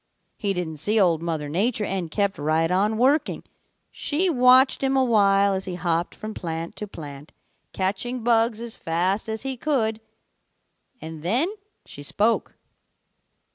He didn't see Old Mother Nature and kept right on working. She watched him a while as he hopped from plant to plant catching bugs as fast as he could, and then she spoke.